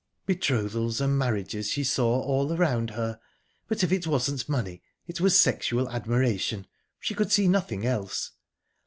Betrothals and marriages she saw all around her, but if it wasn't money, it was sexual admiration she could see nothing else.